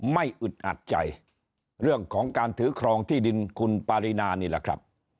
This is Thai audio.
อึดอัดใจเรื่องของการถือครองที่ดินคุณปารีนานี่แหละครับ